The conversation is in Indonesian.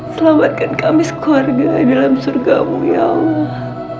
selamatkan kami sekeluarga dalam surga mu ya allah